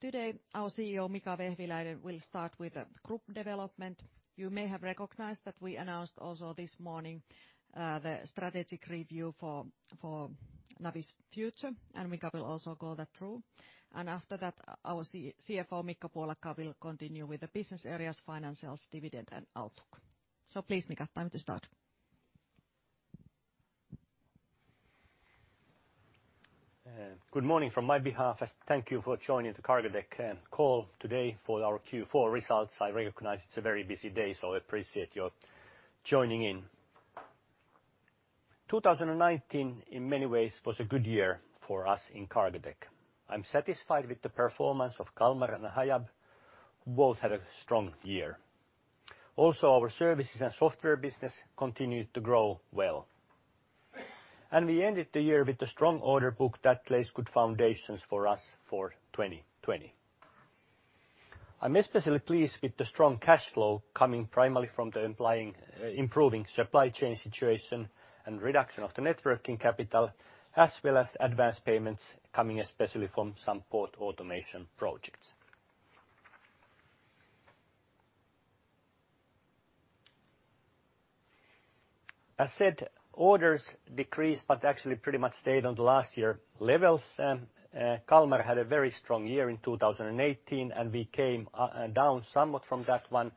Today, our CEO, Mika Vehviläinen, will start with group development. You may have recognized that we announced also this morning the strategic review for Navis future. Mika will also go that through. After that, our CFO, Mikko Puolakka, will continue with the business areas, financials, dividend, and outlook. Please, Mika, time to start. Good morning from my behalf. Thank you for joining the Cargotec call today for our Q4 results. I recognize it's a very busy day, so I appreciate your joining in. 2019, in many ways, was a good year for us in Cargotec. I'm satisfied with the performance of Kalmar and Hiab. Both had a strong year. Our services and software business continued to grow well. We ended the year with a strong order book that lays good foundations for us for 2020. I'm especially pleased with the strong cash flow coming primarily from the improving supply chain situation and reduction of the net working capital, as well as advanced payments coming especially from some port automation projects. As said, orders decreased, but actually pretty much stayed on the last year levels. Kalmar had a very strong year in 2018. We came down somewhat from that one,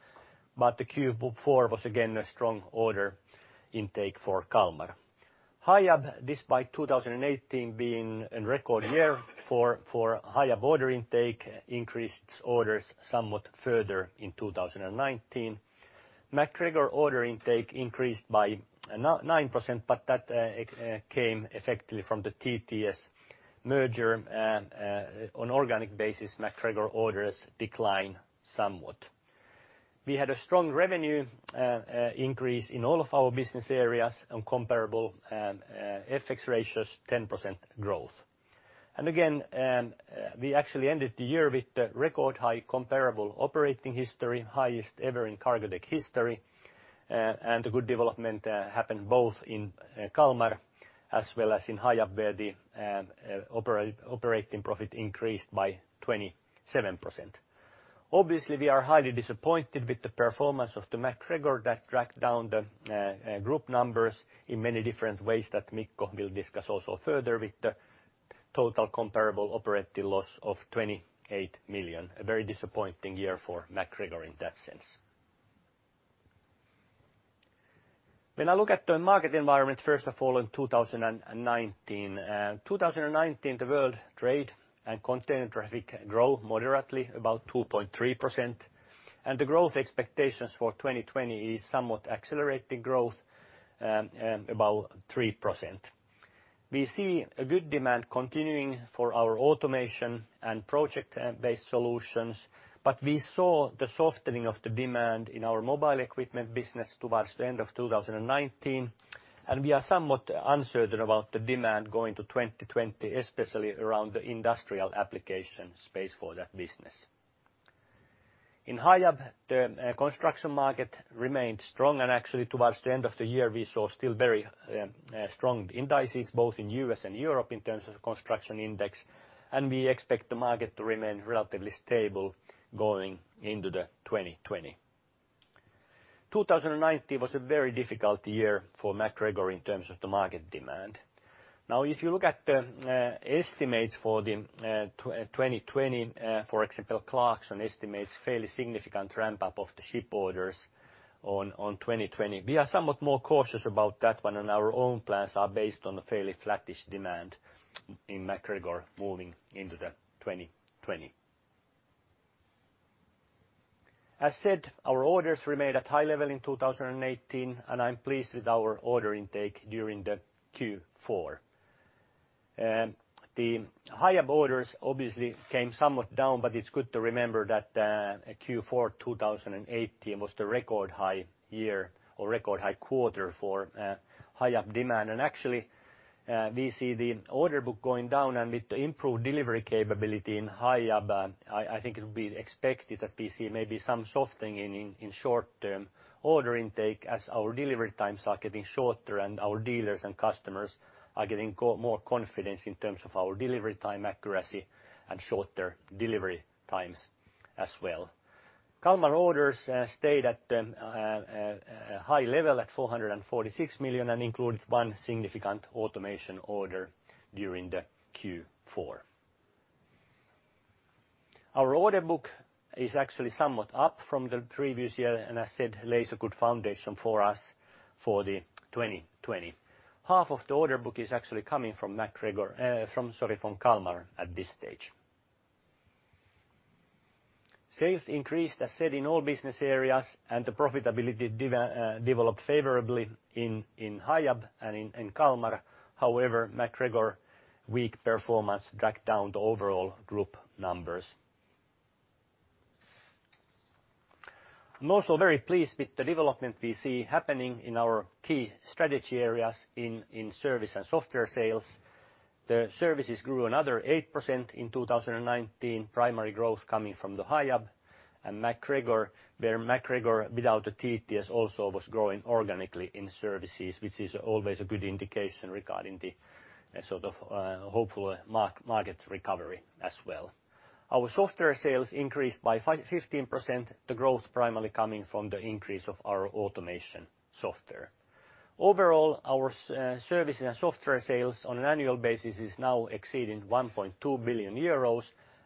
but the Q4 was again a strong order intake for Kalmar. Hiab, despite 2018 being a record year for Hiab order intake, increased orders somewhat further in 2019. MacGregor order intake increased by 9%. That came effectively from the TTS merger. On organic basis, MacGregor orders declined somewhat. We had a strong revenue increase in all of our business areas on comparable FX ratios, 10% growth. Again, we actually ended the year with a record high comparable operating history, highest ever in Cargotec history. A good development happened both in Kalmar as well as in Hiab, where the operating profit increased by 27%. Obviously, we are highly disappointed with the performance of MacGregor that dragged down the group numbers in many different ways that Mikko will discuss also further with the total comparable operating loss of 28 million. A very disappointing year for MacGregor in that sense. When I look at the market environment, first of all, in 2019, the world trade and container traffic grow moderately, about 2.3%. The growth expectations for 2020 is somewhat accelerated growth, about 3%. We see a good demand continuing for our automation and project-based solutions, we saw the softening of the demand in our mobile equipment business towards the end of 2019, we are somewhat uncertain about the demand going to 2020, especially around the industrial application space for that business. In Hiab, the construction market remained strong, and actually towards the end of the year, we saw still very strong indices both in U.S. and Europe in terms of construction index, and we expect the market to remain relatively stable going into the 2020. 2019 was a very difficult year for MacGregor in terms of the market demand. Now, if you look at the estimates for the 2020, for example, Clarksons estimates fairly significant ramp-up of the ship orders on 2020. We are somewhat more cautious about that one, and our own plans are based on a fairly flattish demand in MacGregor moving into the 2020. As said, our orders remained at high level in 2018, and I'm pleased with our order intake during the Q4. The Hiab orders obviously came somewhat down, but it's good to remember that Q4 2018 was the record high year or record high quarter for Hiab demand. Actually, we see the order book going down and with the improved delivery capability in Hiab, I think it will be expected that we see maybe some softening in short-term order intake as our delivery times are getting shorter and our dealers and customers are getting more confidence in terms of our delivery time accuracy and shorter delivery times as well. Kalmar orders stayed at a high level at 446 million and included one significant automation order during the Q4. Our order book is actually somewhat up from the previous year, and as said, lays a good foundation for us for the 2020. Half of the order book is actually coming from Kalmar at this stage. Sales increased, as said, in all business areas, and the profitability developed favorably in Hiab and in Kalmar. However, MacGregor weak performance dragged down the overall group numbers. I'm also very pleased with the development we see happening in our key strategy areas in service and software sales. The services grew another 8% in 2019, primary growth coming from the Hiab and MacGregor, where MacGregor without the TTS also was growing organically in services, which is always a good indication regarding the sort of hopeful market recovery as well. Our software sales increased by 15%, the growth primarily coming from the increase of our automation software. Overall, our service and software sales on an annual basis is now exceeding 1.2 billion euros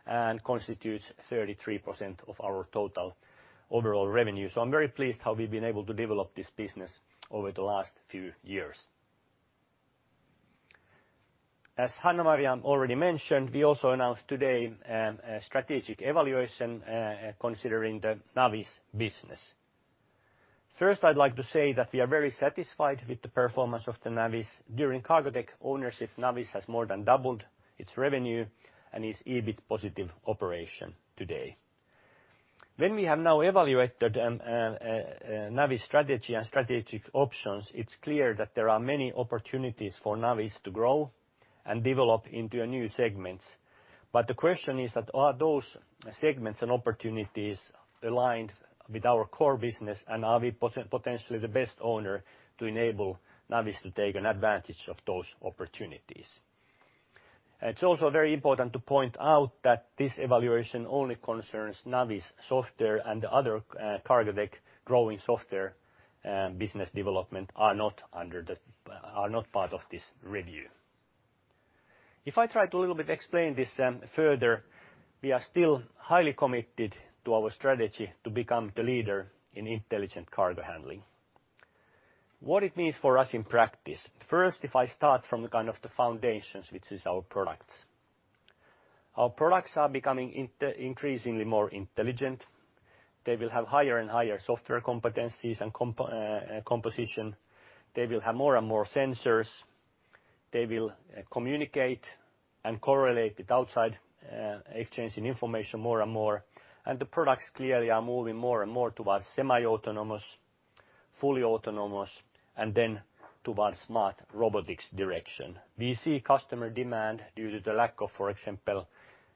and constitutes 33% of our total overall revenue. I'm very pleased how we've been able to develop this business over the last few years. As Hanna-Maria already mentioned, we also announced today a strategic evaluation considering the Navis business. First, I'd like to say that we are very satisfied with the performance of the Navis. During Cargotec ownership, Navis has more than doubled its revenue and is EBIT positive operation today. When we have now evaluated Navis strategy and strategic options, it's clear that there are many opportunities for Navis to grow and develop into new segments. The question is that are those segments and opportunities aligned with our core business, and are we potentially the best owner to enable Navis to take advantage of those opportunities? It's also very important to point out that this evaluation only concerns Navis software and the other Cargotec growing software business development are not part of this review. If I try to a little bit explain this further, we are still highly committed to our strategy to become the leader in intelligent cargo handling. What it means for us in practice. First, if I start from the foundations, which is our products. Our products are becoming increasingly more intelligent. They will have higher and higher software competencies and composition. They will have more and more sensors. They will communicate and correlate with outside exchange in information more and more. The products clearly are moving more and more towards semi-autonomous, fully autonomous, and then toward smart robotics direction. We see customer demand due to the lack of, for example,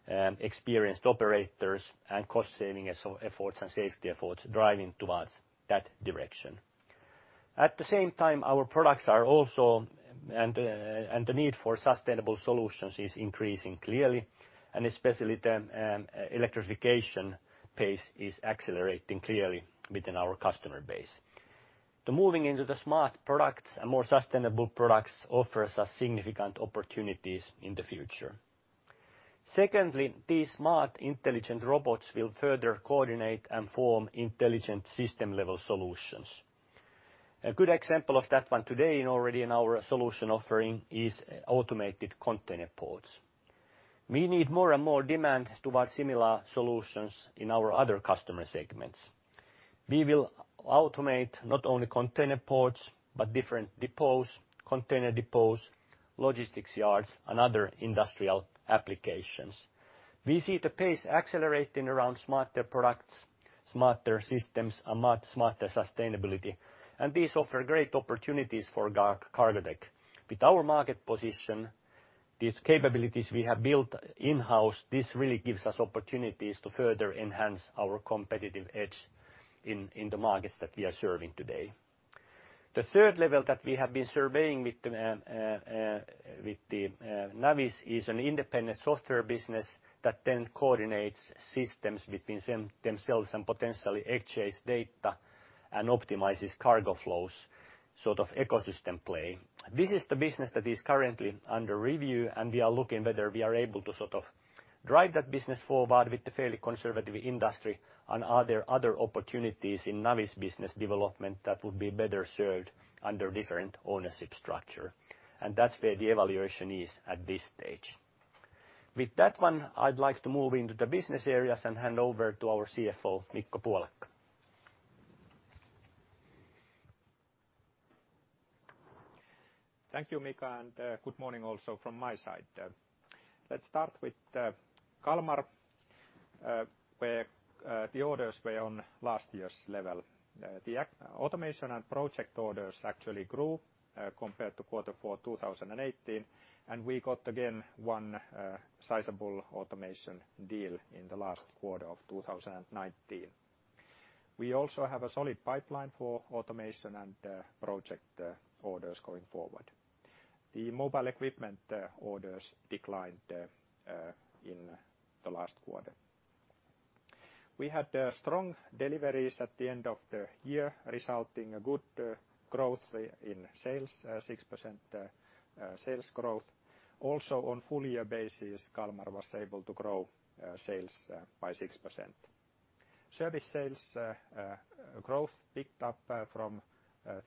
experienced operators and cost-saving efforts and safety efforts driving towards that direction. At the same time, our products are also, and the need for sustainable solutions is increasing clearly, and especially the electrification pace is accelerating clearly within our customer base. The moving into the smart products and more sustainable products offers us significant opportunities in the future. Secondly, these smart intelligent robots will further coordinate and form intelligent system-level solutions. A good example of that one today already in our solution offering is automated container ports. We need more and more demand towards similar solutions in our other customer segments. We will automate not only container ports, but different depots, container depots, logistics yards, and other industrial applications. We see the pace accelerating around smarter products, smarter systems, and much smarter sustainability, and these offer great opportunities for Cargotec. With our market position, these capabilities we have built in-house, this really gives us opportunities to further enhance our competitive edge in the markets that we are serving today. The level three that we have been surveying with the Navis is an independent software business that then coordinates systems between themselves and potentially exchanges data and optimizes cargo flows, sort of ecosystem play. This is the business that is currently under review, we are looking whether we are able to sort of drive that business forward with the fairly conservative industry and are there other opportunities in Navis business development that would be better served under different ownership structure. That's where the evaluation is at this stage. With that one, I'd like to move into the business areas and hand over to our CFO, Mikko Puolakka. Thank you, Mika, and good morning also from my side. Let's start with Kalmar, where the orders were on last year's level. The automation and project orders actually grew compared to quarter four 2018, and we got again one sizable automation deal in the last quarter of 2019. We also have a solid pipeline for automation and project orders going forward. The mobile equipment orders declined in the last quarter. We had strong deliveries at the end of the year, resulting a good growth in sales, 6% sales growth. Also on full year basis, Kalmar was able to grow sales by 6%. Service sales growth picked up from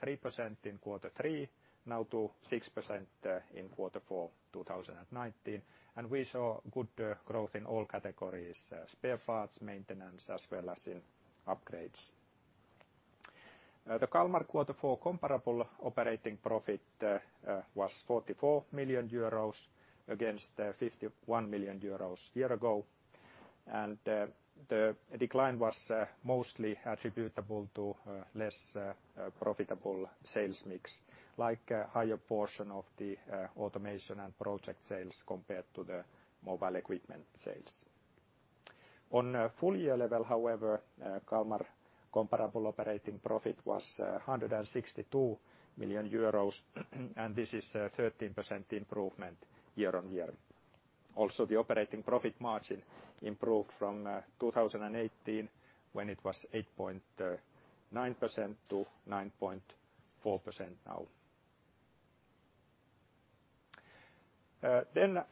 3% in quarter three, now to 6% in quarter four 2019. We saw good growth in all categories, spare parts, maintenance, as well as in upgrades. The Kalmar quarter four comparable operating profit was 44 million euros against 51 million euros a year ago. The decline was mostly attributable to less profitable sales mix, like higher portion of the automation and project sales compared to the mobile equipment sales. On a full year level, however, Kalmar comparable operating profit was 162 million euros, this is a 13% improvement year-on-year. Also, the operating profit margin improved from 2018, when it was 8.9%, to 9.4% now.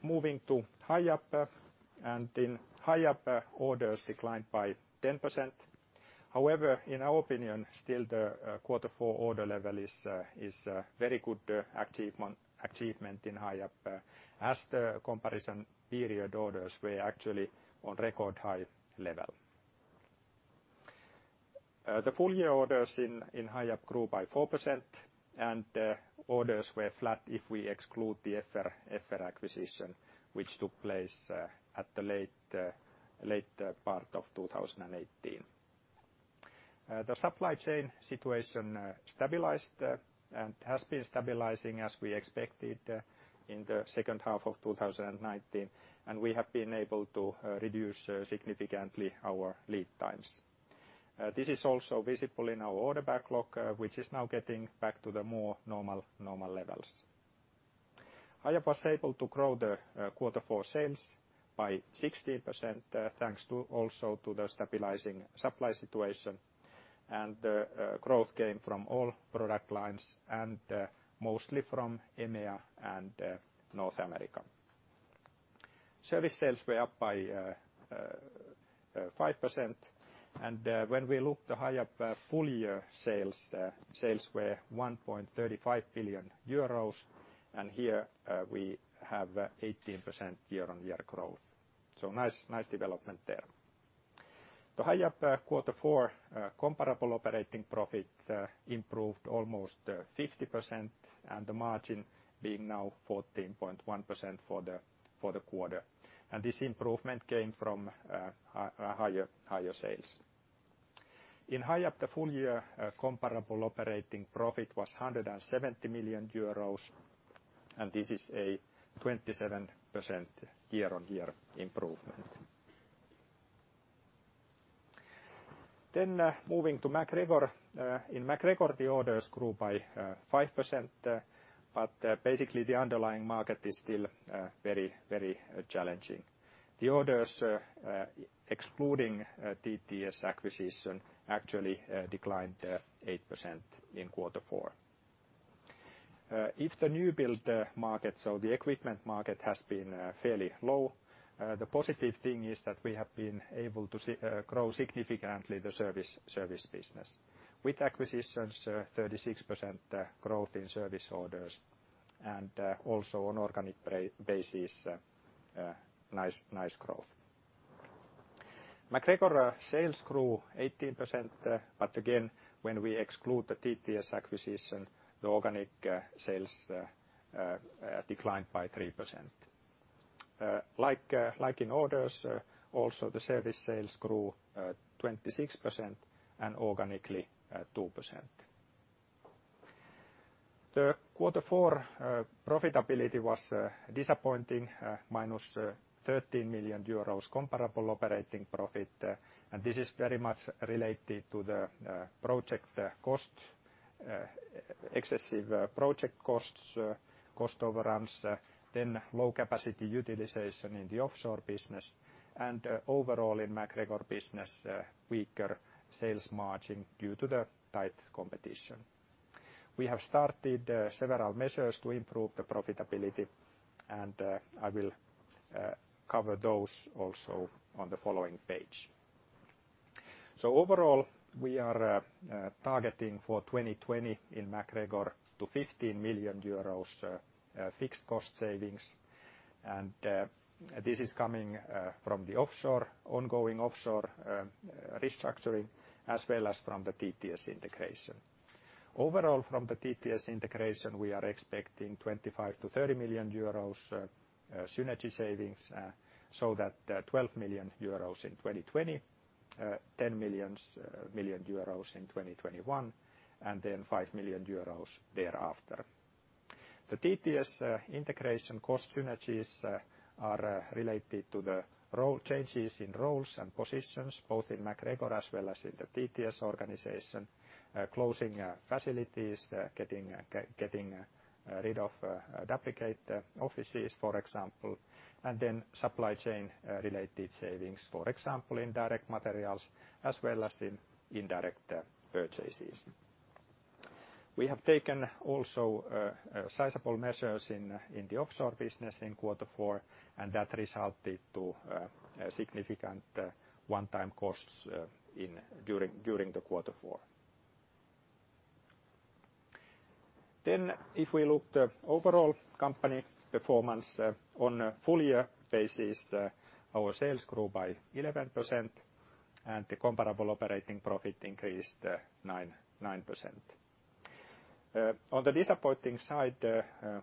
Moving to Hiab. In Hiab, orders declined by 10%. However, in our opinion, still the quarter four order level is a very good achievement in Hiab, as the comparison period orders were actually on record high level. The full year orders in Hiab grew by 4%, orders were flat if we exclude the FR acquisition, which took place at the later part of 2018. The supply chain situation stabilized and has been stabilizing as we expected in the second half of 2019. We have been able to reduce significantly our lead times. This is also visible in our order backlog, which is now getting back to the more normal levels. Hiab was able to grow the quarter four sales by 16%, thanks also to the stabilizing supply situation. The growth came from all product lines, and mostly from EMEA and North America. Service sales were up by 5%. When we look at the Hiab full year sales were 1.35 billion euros. Here we have 18% year-on-year growth. Nice development there. The Hiab quarter four comparable operating profit improved almost 50%. The margin being now 14.1% for the quarter. This improvement came from higher sales. In Hiab, the full year comparable operating profit was 170 million euros. This is a 27% year-on-year improvement. Moving to MacGregor. In MacGregor, the orders grew by 5%. Basically, the underlying market is still very challenging. The orders, excluding TTS acquisition, actually declined 8% in quarter four. If the new build market, so the equipment market, has been fairly low, the positive thing is that we have been able to grow significantly the service business with acquisitions, 36% growth in service orders, and also on organic basis, nice growth. MacGregor sales grew 18%. Again, when we exclude the TTS acquisition, the organic sales declined by 3%. Like in orders, also the service sales grew 26% and organically at 2%. The quarter four profitability was disappointing, -13 million euros comparable operating profit, and this is very much related to the excessive project costs, cost overruns, then low capacity utilization in the offshore business, and overall in MacGregor business, weaker sales margin due to the tight competition. We have started several measures to improve the profitability. I will cover those also on the following page. Overall, we are targeting for 2020 in MacGregor to 15 million euros fixed cost savings. This is coming from the ongoing offshore restructuring as well as from the TTS integration. From the TTS integration, we are expecting 25 million -30 million euros synergy savings, so that 12 million euros in 2020, 10 million in 2021, and then 5 million euros thereafter. The TTS integration cost synergies are related to the changes in roles and positions, both in MacGregor as well as in the TTS organization, closing facilities, getting rid of duplicate offices, for example, and then supply chain-related savings, for example, in direct materials as well as in indirect purchases. That resulted to significant one-time costs during the quarter four. If we look at the overall company performance on a full year basis, our sales grew by 11%, and the comparable operating profit increased 9%. On the disappointing side,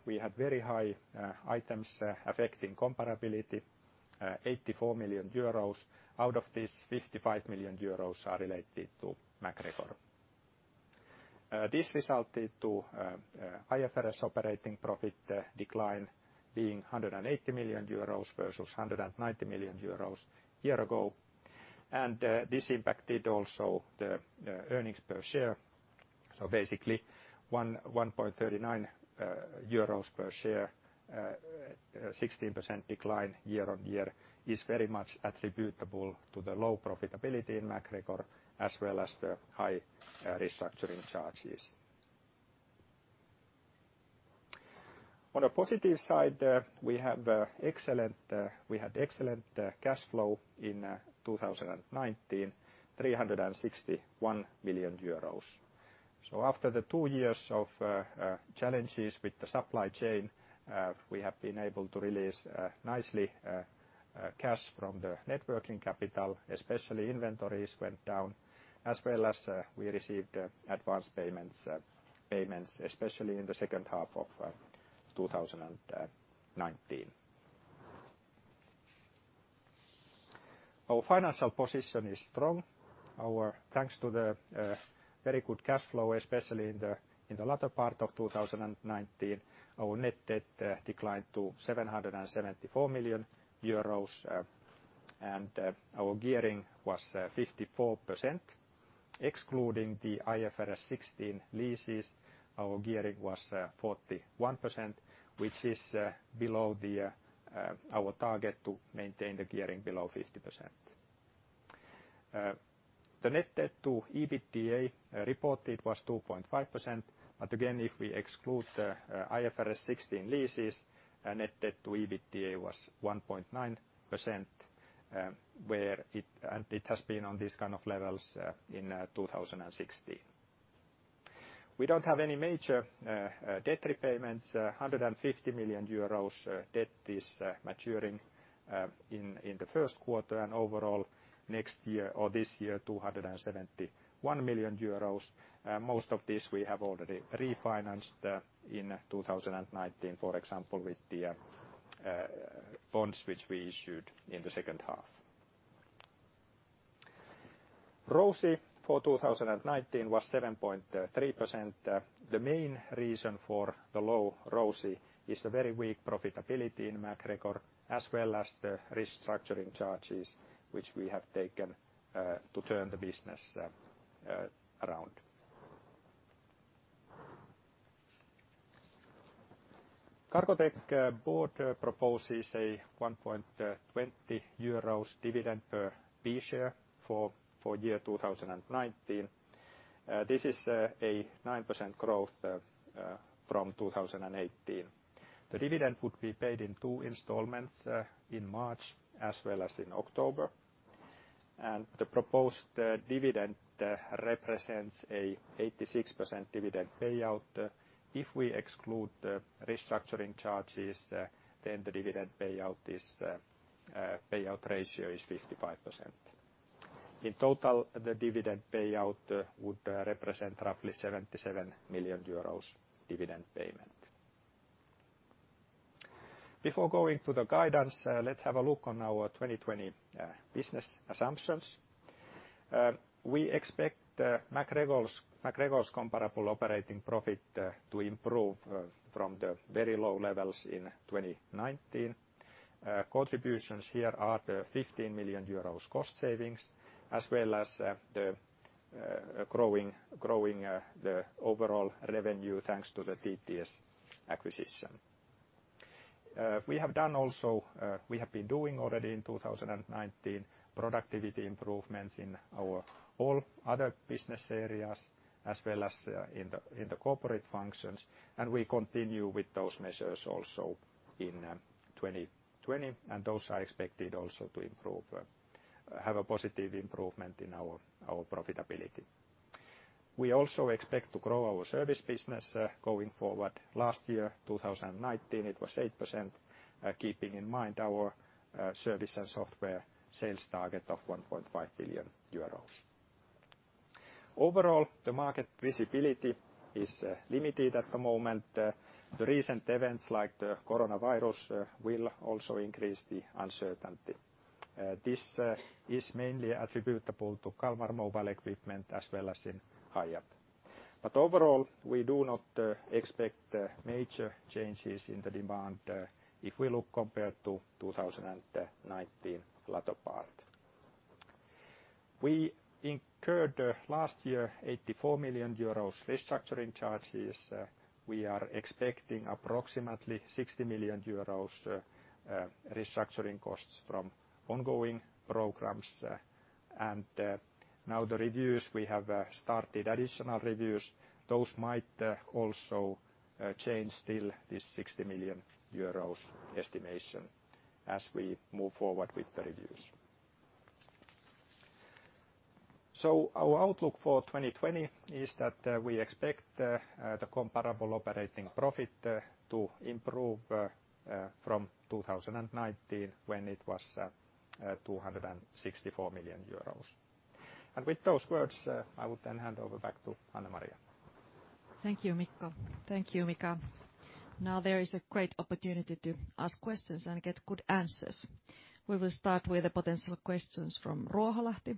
we had very high items affecting comparability, 84 million euros. Out of this, 55 million euros are related to MacGregor. This resulted to IFRS operating profit decline being 180 million euros versus 190 million euros a year ago. This impacted also the earnings per share. Basically, EUR 1.39 per share, a 16% decline year-over-year is very much attributable to the low profitability in MacGregor, as well as the high restructuring charges. On a positive side, we had excellent cash flow in 2019, 361 million euros. After the two years of challenges with the supply chain, we have been able to release nicely cash from the net working capital, especially inventories went down, as well as we received advanced payments, especially in the second half of 2019. Our financial position is strong. Thanks to the very good cash flow, especially in the latter part of 2019, our net debt declined to 774 million euros, and our gearing was 54%. Excluding the IFRS 16 leases, our gearing was 41%, which is below our target to maintain the gearing below 50%. The net debt to EBITDA reported was 2.5%. Again, if we exclude the IFRS 16 leases, net debt to EBITDA was 1.9%, and it has been on this kind of levels in 2016. We don't have any major debt repayments. 150 million euros debt is maturing in the first quarter, and overall, this year, 271 million euros. Most of this we have already refinanced in 2019, for example, with the bonds which we issued in the second half. ROCE for 2019 was 7.3%. The main reason for the low ROCE is the very weak profitability in MacGregor, as well as the restructuring charges which we have taken to turn the business around. Cargotec board proposes a 1.20 euros dividend per B share for year 2019. This is a 9% growth from 2018. The dividend would be paid in two installments in March as well as in October, and the proposed dividend represents an 86% dividend payout. If we exclude the restructuring charges, then the dividend payout ratio is 55%. In total, the dividend payout would represent roughly 77 million euros dividend payment. Before going to the guidance, let's have a look on our 2020 business assumptions. We expect MacGregor's comparable operating profit to improve from the very low levels in 2019. Contributions here are the 15 million euros cost savings as well as the growing overall revenue, thanks to the TTS acquisition. We have been doing already in 2019, productivity improvements in our all other business areas as well as in the corporate functions, and we continue with those measures also in 2020, and those are expected also to have a positive improvement in our profitability. We also expect to grow our service business going forward. Last year, 2019, it was 8%, keeping in mind our service and software sales target of 1.5 billion euros. Overall, the market visibility is limited at the moment. The recent events like the coronavirus will also increase the uncertainty. This is mainly attributable to Kalmar Mobile equipment as well as in Hiab. Overall, we do not expect major changes in the demand if we look compared to 2019 latter part. We incurred, last year, 84 million euros restructuring charges. We are expecting approximately 60 million euros restructuring costs from ongoing programs. Now the reviews, we have started additional reviews. Those might also change still this 60 million euros estimation as we move forward with the reviews. Our outlook for 2020 is that we expect the comparable operating profit to improve from 2019 when it was 264 million euros. With those words, I will then hand over back to Hanna-Maria. Thank you, Mikko. Thank you, Mika. There is a great opportunity to ask questions and get good answers. We will start with the potential questions from Ruoholahti.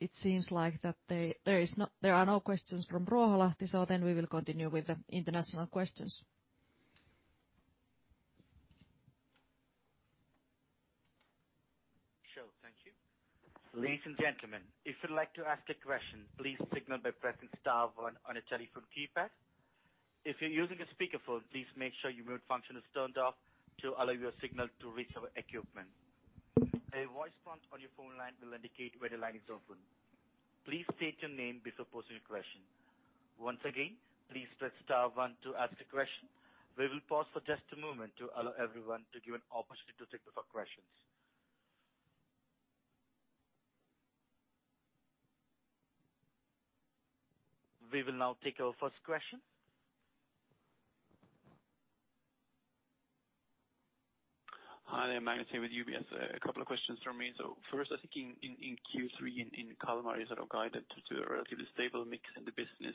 It seems like that there are no questions from Ruoholahti, so then we will continue with the international questions. Sure. Thank you. Ladies and gentlemen, if you'd like to ask a question, please signal by pressing star one on a telephone keypad. If you're using a speakerphone, please make sure your mute function is turned off to allow your signal to reach our equipment. A voice prompt on your phone line will indicate when the line is open. Please state your name before posing a question. Once again, please press star one to ask a question. We will pause for just a moment to allow everyone to give an opportunity to think of our questions. We will now take our first question. Hi there, Magnus here with UBS. A couple of questions from me. First, I think in Q3, in Kalmar you sort of guided to a relatively stable mix in the business,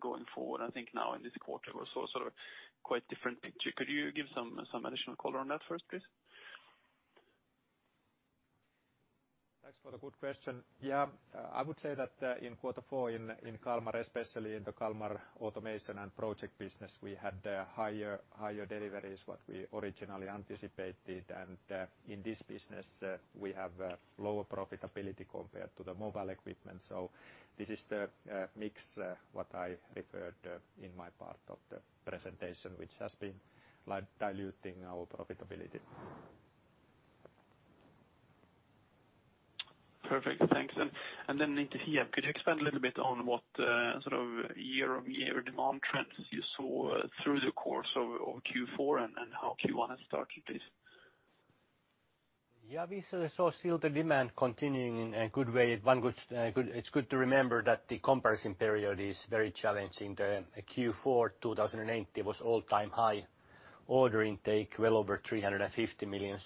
going forward. I think now in this quarter was sort of quite different picture. Could you give some additional color on that first, please? Thanks for the good question. Yeah, I would say that in quarter four in Kalmar, especially in the Kalmar automation and project business, we had higher deliveries what we originally anticipated. In this business we have lower profitability compared to the mobile equipment. This is the mix what I referred in my part of the presentation, which has been diluting our profitability. Perfect. Thanks. Into Hiab, could you expand a little bit on what sort of year-on-year demand trends you saw through the course of Q4 and how Q1 has started, please? Yeah. We saw still the demand continuing in a good way. It's good to remember that the comparison period is very challenging. The Q4 2018 was all-time high order intake, well over 350 million.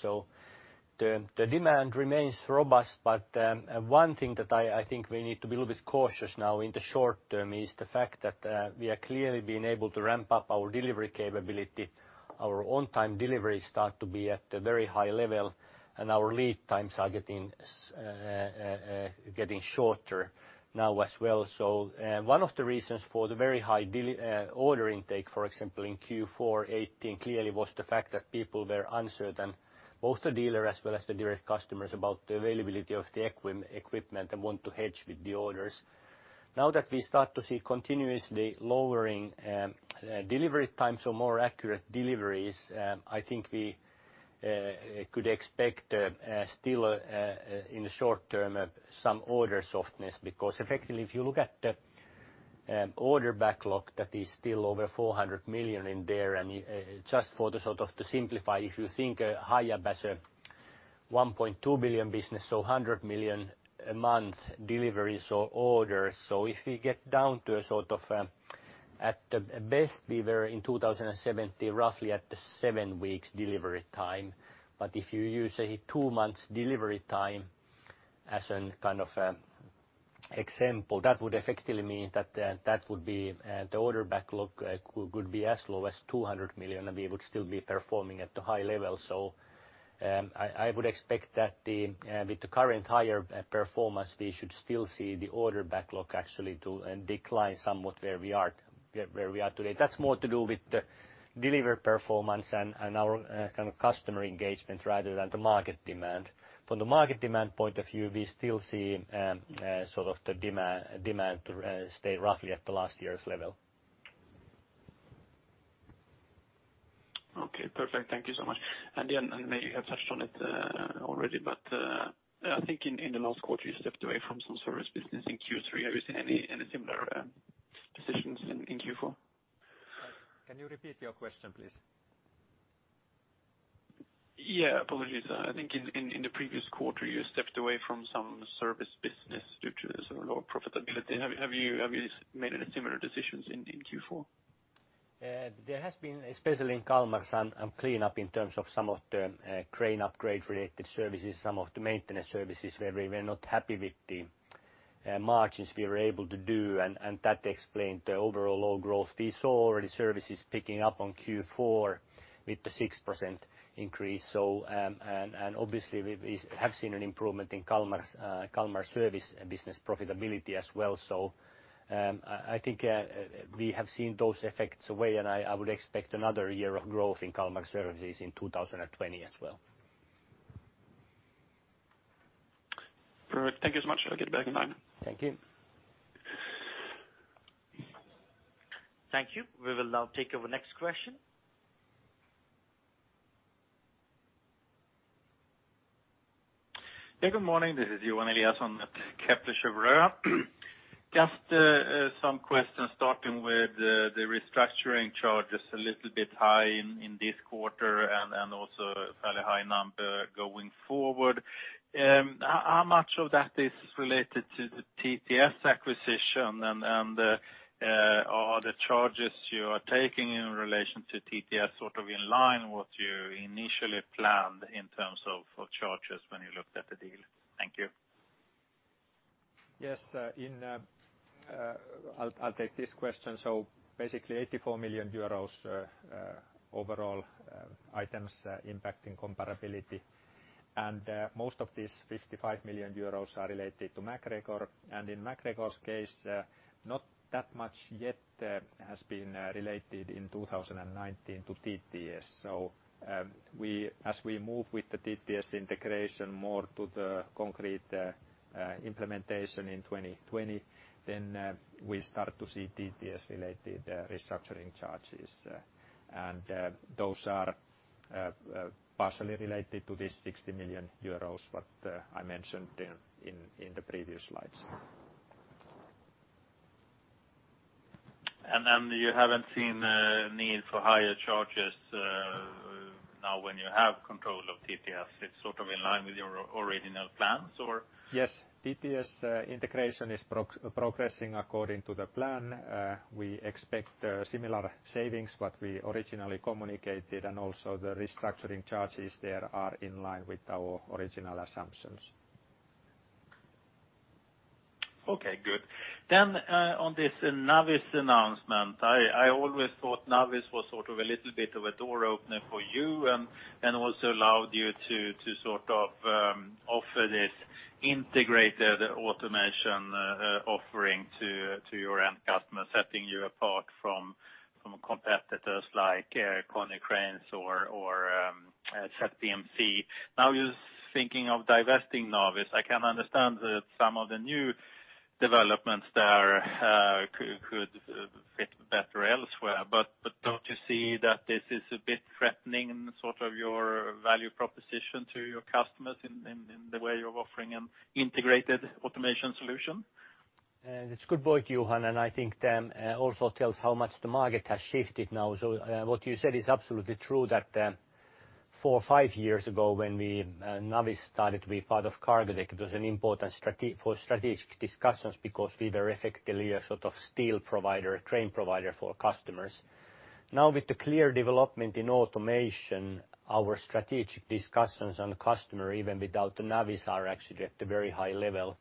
The demand remains robust, one thing that I think we need to be a little bit cautious now in the short term is the fact that we are clearly being able to ramp up our delivery capability. Our on-time delivery start to be at a very high level our lead times are getting shorter now as well. One of the reasons for the very high order intake, for example in Q4 2018, clearly was the fact that people were uncertain, both the dealer as well as the direct customers, about the availability of the equipment and want to hedge with the orders. Now that we start to see continuously lowering delivery times or more accurate deliveries, I think we could expect still in the short term some order softness because effectively if you look at the order backlog that is still over 400 million in there. Just for the sort of to simplify, if you think Hiab as a 1.2 billion business, 100 million a month deliveries or orders. If we get down to a sort of at best, we were in 2017 roughly at the seven weeks delivery time. If you use a two months delivery time as an kind of example, that would effectively mean that would be the order backlog could be as low as 200 million and we would still be performing at the high level. I would expect that with the current higher performance we should still see the order backlog actually to decline somewhat where we are today. That's more to do with the delivery performance and our kind of customer engagement rather than the market demand. From the market demand point of view we still see sort of the demand stay roughly at the last year's level. Okay perfect. Thank you so much. Maybe you have touched on it already, but I think in the last quarter you stepped away from some service business in Q3. Have you seen any similar decisions in Q4? Can you repeat your question please? Yeah, apologies. I think in the previous quarter you stepped away from some service business due to sort of lower profitability. Have you made any similar decisions in Q4? There has been especially in Kalmar some clean up in terms of some of the crane upgrade related services, some of the maintenance services where we were not happy with the margins we were able to do and that explained the overall low growth. We saw already services picking up on Q4 with the 6% increase. Obviously we have seen an improvement in Kalmar service business profitability as well. I think we have seen those effects away and I would expect another year of growth in Kalmar services in 2020 as well. Perfect. Thank you so much. I'll get back in line. Thank you. Thank you. We will now take our next question. Hey, good morning. This is Johan Eliason at Kepler Cheuvreux. I have just some questions starting with the restructuring charges a little bit high in this quarter and also fairly high number going forward. How much of that is related to the TTS acquisition and are the charges you are taking in relation to TTS sort of in line what you initially planned in terms of charges when you looked at the deal? Thank you. Yes. I'll take this question. Basically, 84 million euros overall items impacting comparability. Most of these 55 million euros are related to MacGregor. In MacGregor's case, not that much yet has been related in 2019 to TTS. As we move with the TTS integration more to the concrete implementation in 2020, we start to see TTS related restructuring charges. Those are partially related to this 60 million euros, what I mentioned in the previous slides. You haven't seen a need for higher charges now when you have control of TTS. It's sort of in line with your original plans, or? Yes. TTS integration is progressing according to the plan. We expect similar savings, what we originally communicated, and also the restructuring charges there are in line with our original assumptions. Okay, good. On this Navis announcement. I always thought Navis was sort of a little bit of a door opener for you and also allowed you to sort of offer this integrated automation offering to your end customer, setting you apart from competitors like Konecranes or ZPMC. Now you're thinking of divesting Navis. I can understand that some of the new developments there could fit better elsewhere, don't you see that this is a bit threatening sort of your value proposition to your customers in the way you're offering an integrated automation solution? It's a good point, Johan. I think also tells how much the market has shifted now. What you said is absolutely true, that four or five years ago, when Navis started to be part of Cargotec, it was an important for strategic discussions because we were effectively a sort of steel provider, a crane provider for customers. With the clear development in automation, our strategic discussions on customer, even without the Navis, are actually at a very high level.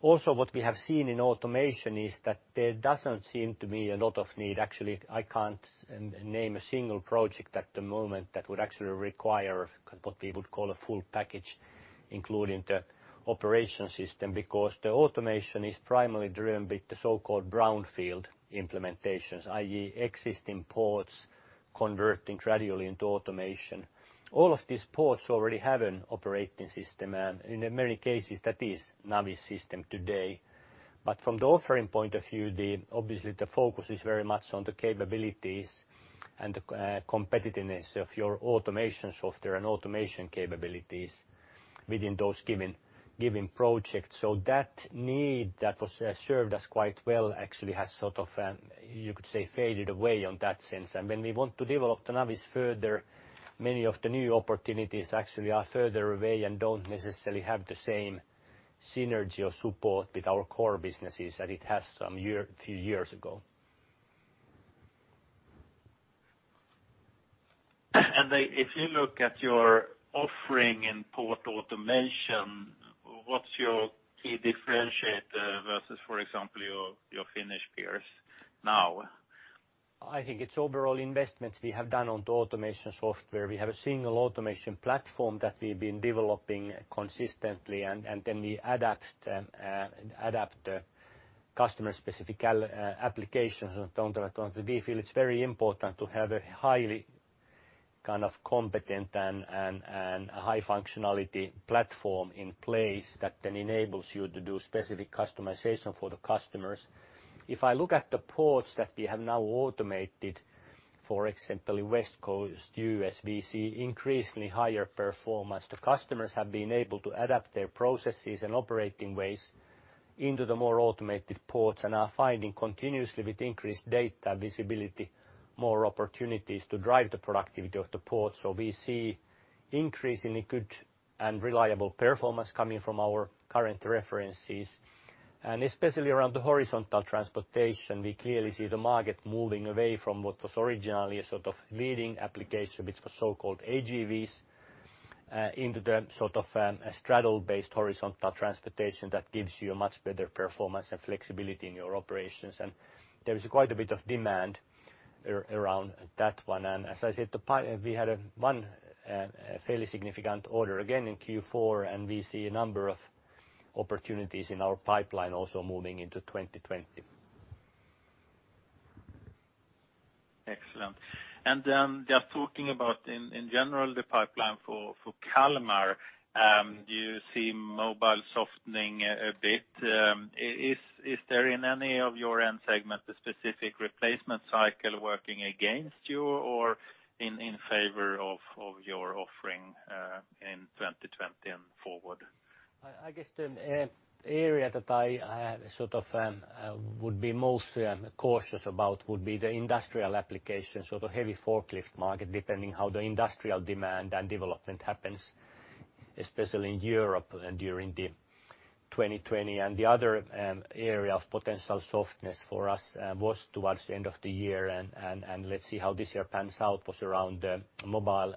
What we have seen in automation is that there doesn't seem to be a lot of need. I can't name a single project at the moment that would actually require what we would call a full package, including the operation system, because the automation is primarily driven by the so-called brownfield implementations, i.e., existing ports converting gradually into automation. All of these ports already have an operating system. In many cases that is Navis system today. From the offering point of view, obviously the focus is very much on the capabilities and the competitiveness of your automation software and automation capabilities within those given projects. That need that was served us quite well actually has sort of, you could say, faded away on that sense. When we want to develop the Navis further, many of the new opportunities actually are further away and don't necessarily have the same synergy or support with our core businesses that it has some few years ago. If you look at your offering in port automation, what's your key differentiator versus, for example, your Finnish peers now? I think it's overall investments we have done on the automation software. We have a single automation platform that we've been developing consistently. Then we adapt customer specific applications and so on. We feel it's very important to have a highly kind of competent and a high functionality platform in place that then enables you to do specific customization for the customers. If I look at the ports that we have now automated, for example, West Coast, U.S., we see increasingly higher performance. The customers have been able to adapt their processes and operating ways into the more automated ports and are finding continuously with increased data visibility, more opportunities to drive the productivity of the port. We see increasing good and reliable performance coming from our current references. Especially around the horizontal transportation, we clearly see the market moving away from what was originally a sort of leading application, which was so-called AGVs, into the sort of a straddle based horizontal transportation that gives you a much better performance and flexibility in your operations. There is quite a bit of demand around that one. As I said, we had one fairly significant order again in Q4, and we see a number of opportunities in our pipeline also moving into 2020. Excellent. Just talking about in general the pipeline for Kalmar. Do you see mobile softening a bit? Is there in any of your end segment a specific replacement cycle working against you or in favor of your offering in 2020 and forward? I guess the area that I sort of would be mostly cautious about would be the industrial application. The heavy forklift market depending how the industrial demand and development happens, especially in Europe and during the 2020. The other area of potential softness for us was towards the end of the year, and let's see how this year pans out, was around the mobile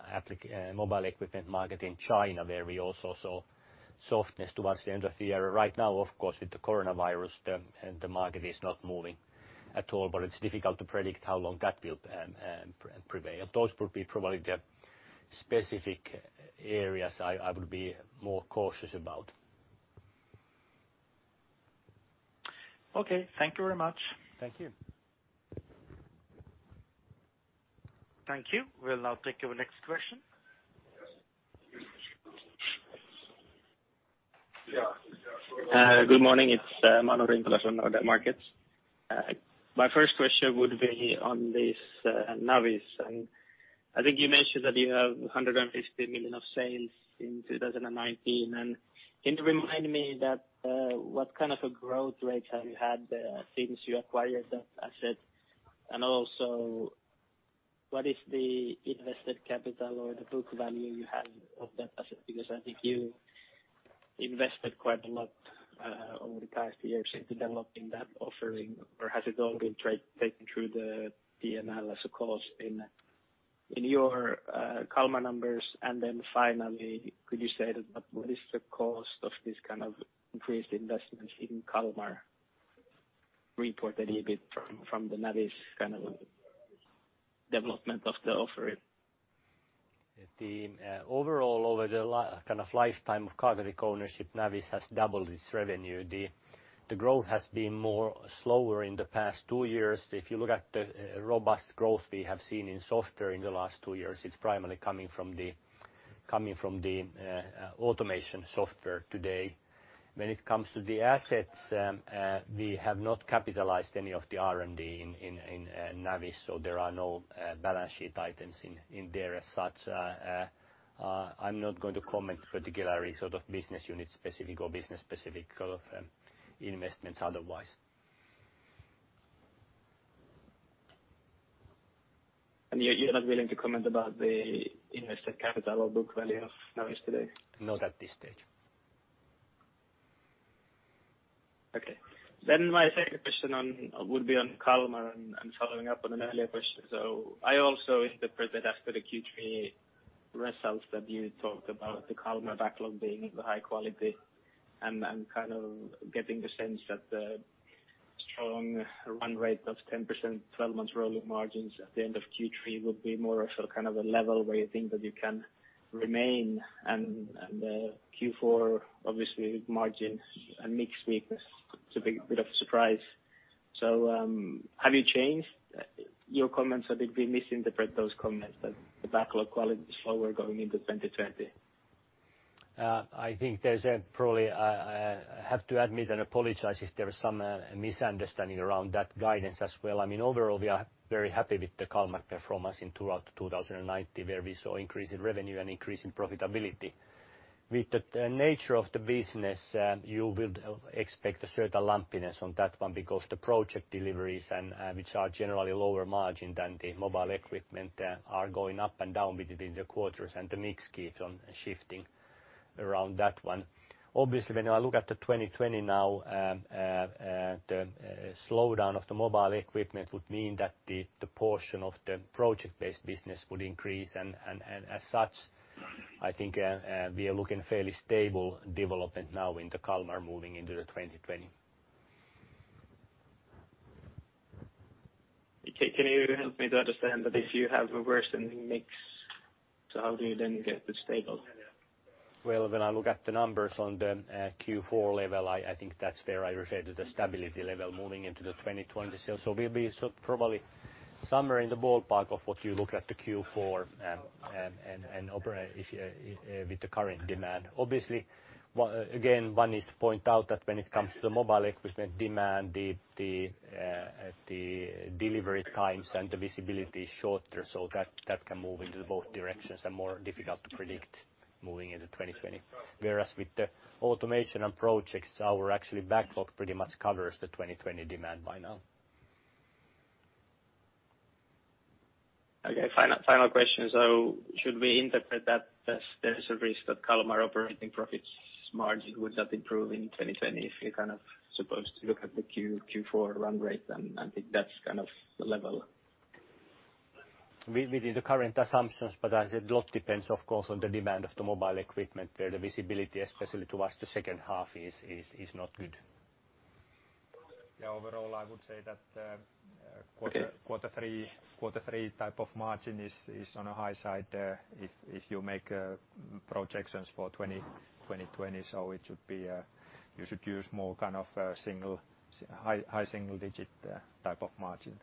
equipment market in China, where we also saw Softness towards the end of the year. Right now, of course, with the coronavirus, the market is not moving at all, but it's difficult to predict how long that will prevail. Those would be probably the specific areas I would be more cautious about. Okay. Thank you very much. Thank you. Thank you. We'll now take our next question. Good morning. It's Manu Rimpelä from Nordea Markets. My first question would be on this Navis. I think you mentioned that you have 150 million of sales in 2019. Can you remind me that what kind of a growth rate have you had there since you acquired that asset? Also what is the invested capital or the book value you have of that asset? I think you invested quite a lot over the past years into developing that offering. Has it all been taken through the P&L as a cost in your Kalmar numbers? Finally, could you say that what is the cost of this kind of increased investments in Kalmar report, the EBIT from the Navis kind of development of the offering? The overall over the kind of lifetime of Cargotec ownership, Navis has doubled its revenue. The growth has been more slower in the past two years. If you look at the robust growth we have seen in software in the last two years, it's primarily coming from the automation software today. When it comes to the assets, we have not capitalized any of the R&D in Navis, so there are no balance sheet items in there as such. I'm not going to comment particularly sort of business unit specific or business specific kind of investments otherwise. You're not willing to comment about the invested capital or book value of Navis today? Not at this stage. Okay. My second question would be on Kalmar and following up on an earlier question. I also interpret that after the Q3 results that you talked about the Kalmar backlog being of a high quality and kind of getting the sense that the strong run rate of 10% 12 months rolling margins at the end of Q3 would be more of kind of a level where you think that you can remain and the Q4 obviously with margin and mix weakness, it's a big bit of surprise. Have you changed your comments or did we misinterpret those comments that the backlog quality is slower going into 2020? I think there's a probably, I have to admit and apologize if there is some misunderstanding around that guidance as well. I mean, overall, we are very happy with the Kalmar performance in throughout 2019, where we saw increase in revenue and increase in profitability. With the nature of the business, you would expect a certain lumpiness on that one because the project deliveries, which are generally lower margin than the mobile equipment, are going up and down between the quarters and the mix keeps on shifting around that one. Obviously, when I look at the 2020 now, the slowdown of the mobile equipment would mean that the portion of the project-based business would increase, and as such, I think we are looking fairly stable development now in the Kalmar moving into the 2020. Okay, can you help me to understand that if you have a worsening mix, how do you then get the stable? Well, when I look at the numbers on the Q4 level, I think that's where I refer to the stability level moving into 2020. We'll be probably somewhere in the ballpark of what you look at the Q4 and operate with the current demand. Obviously, again, one is to point out that when it comes to mobile equipment demand, the delivery times and the visibility is shorter, so that can move into both directions and more difficult to predict moving into 2020. With the automation and projects, our actually backlog pretty much covers the 2020 demand by now. Okay, final question. Should we interpret that as there is a risk that Kalmar operating profits margin would not improve in 2020 if you're kind of supposed to look at the Q4 run rate, and I think that's kind of the level? Within the current assumptions, but as a lot depends of course on the demand of the mobile equipment where the visibility especially towards the second half is not good. Yeah. Overall, I would say quarter three type of margin is on a high side there if you make projections for 2020. You should use more kind of high single-digit type of margin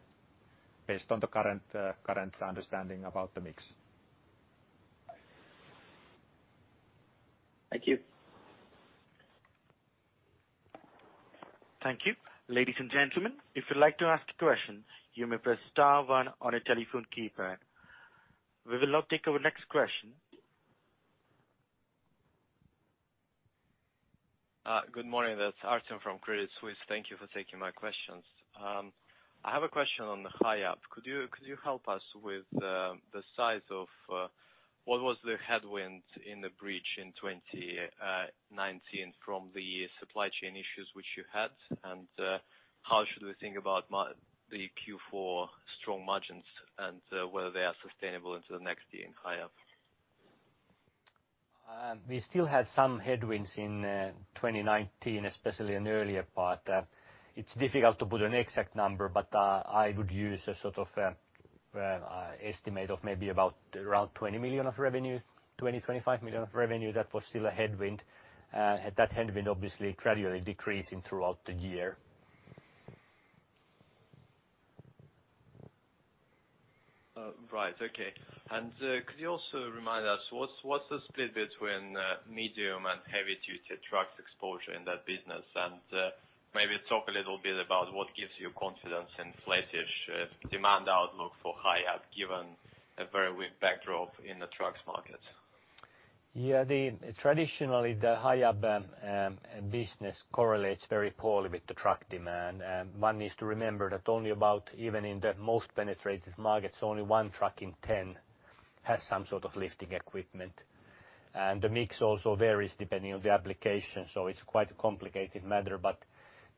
based on the current understanding about the mix. Thank you. Thank you. Ladies and gentlemen, if you'd like to ask a question, you may press star one on a telephone keypad. We will now take our next question. Good morning. That's Artem from Credit Suisse. Thank you for taking my questions. I have a question on the Hiab. Could you help us with the size of what was the headwind in the bridge in 2019 from the supply chain issues which you had? How should we think about the Q4 strong margins and whether they are sustainable into the next year in Hiab? We still had some headwinds in 2019, especially in the earlier part. It's difficult to put an exact number, but I would use an estimate of maybe about around 20 million of revenue, 20 million, 25 million of revenue, that was still a headwind. That headwind obviously gradually decreasing throughout the year. Right. Okay. Could you also remind us what's the split between medium and heavy-duty trucks exposure in that business? Maybe talk a little bit about what gives you confidence in flattish demand outlook for Hiab given a very weak backdrop in the trucks market. Yeah. Traditionally, the Hiab business correlates very poorly with the truck demand. One needs to remember that only about, even in the most penetrated markets, only one truck in 10 has some sort of lifting equipment. The mix also varies depending on the application, so it's quite a complicated matter.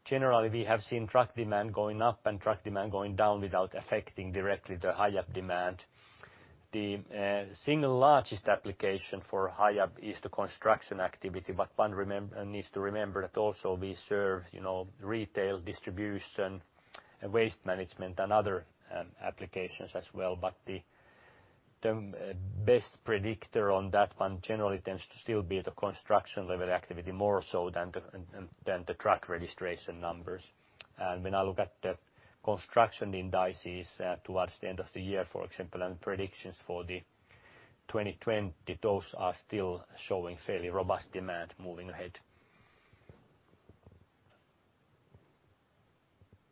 Generally, we have seen truck demand going up and truck demand going down without affecting directly the Hiab demand. The single largest application for Hiab is the construction activity, but one needs to remember that also we serve retail distribution and waste management and other applications as well. The best predictor on that one generally tends to still be the construction level activity more so than the truck registration numbers. When I look at the construction indices towards the end of the year, for example, and predictions for the 2020, those are still showing fairly robust demand moving ahead.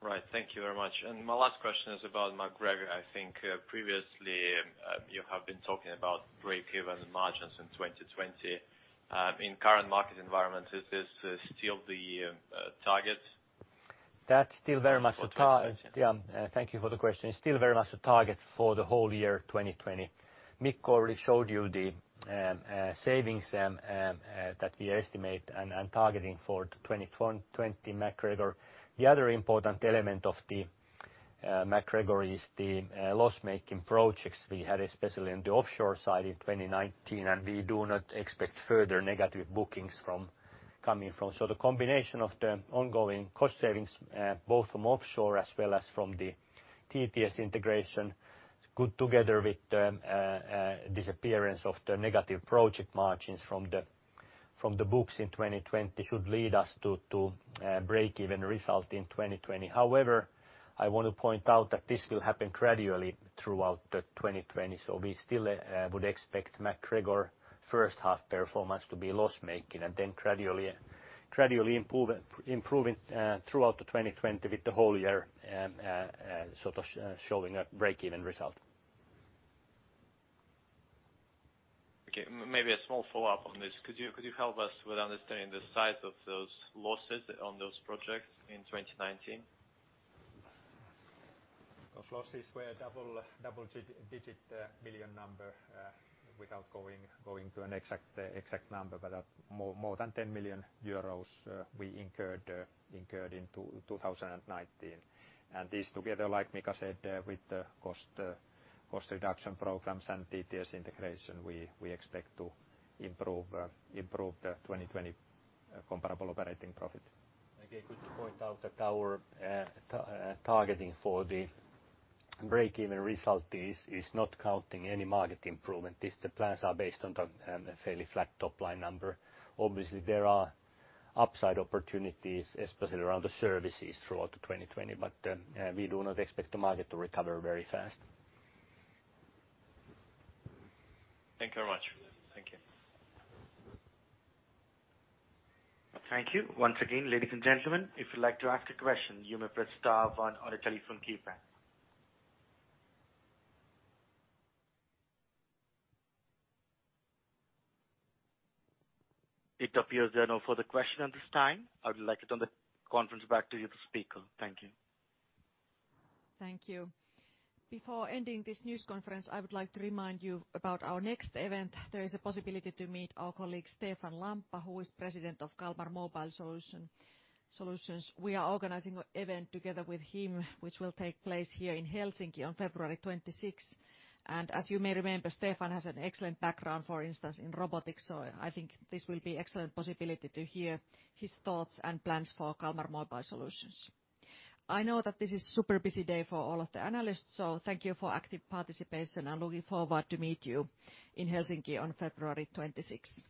Right. Thank you very much. My last question is about MacGregor. I think previously, you have been talking about breakeven margins in 2020. In current market environment, is this still the target? Thank you for the question. It's still very much the target for the whole year 2020. Mika already showed you the savings that we estimate and are targeting for 2020 MacGregor. The other important element of the MacGregor is the loss-making projects we had, especially in the offshore side in 2019, and we do not expect further negative bookings coming from. The combination of the ongoing cost savings both from offshore as well as from the TTS integration could, together with the disappearance of the negative project margins from the books in 2020, should lead us to breakeven result in 2020. However, I want to point out that this will happen gradually throughout 2020. We still would expect MacGregor first half performance to be loss-making and then gradually improving throughout 2020 with the whole year showing a breakeven result. Okay, maybe a small follow-up on this. Could you help us with understanding the size of those losses on those projects in 2019? Those losses were double-digit million number, without going to an exact number. More than 10 million euros we incurred in 2019. This together, like Mika said, with the cost reduction programs and TTS integration, we expect to improve the 2020 comparable operating profit. Again, good to point out that our targeting for the breakeven result is not counting any market improvement. The plans are based on the fairly flat top-line number. Obviously, there are upside opportunities, especially around the services throughout 2020. We do not expect the market to recover very fast. Thank you very much. Thank you. Thank you. Once again, ladies and gentlemen, if you'd like to ask a question, you may press star one on your telephone keypad. It appears there are no further questions at this time. I would like to turn the conference back to you, the speaker. Thank you. Thank you. Before ending this news conference, I would like to remind you about our next event. There is a possibility to meet our colleague, Stefan Lampa, who is President of Kalmar Mobile Solutions. We are organizing an event together with him, which will take place here in Helsinki on February 26th. As you may remember, Stefan has an excellent background, for instance, in robotics. I think this will be excellent possibility to hear his thoughts and plans for Kalmar Mobile Solutions. I know that this is super busy day for all of the analysts, so thank you for active participation and looking forward to meet you in Helsinki on February 26th.